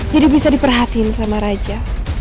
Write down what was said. jadi bisa diperhatiin sama raja